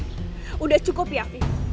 sudah cukup ya afif